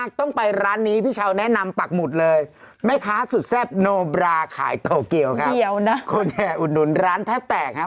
คนแห่อุดหนุนร้านแทบแตกครับ